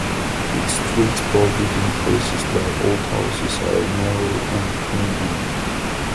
Its streets, bordered in places by old houses, are narrow and winding.